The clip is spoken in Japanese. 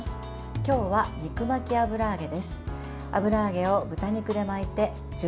今日は肉巻き油揚げです。